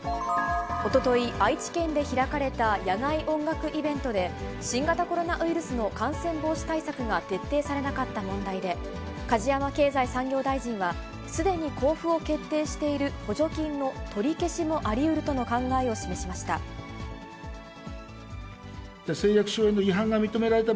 おととい、愛知県で開かれた野外音楽イベントで、新型コロナウイルスの感染防止対策が徹底されなかった問題で、梶山経済産業大臣は、すでに交付を決定している補助金の取り消しもありうるとの考えを示しました。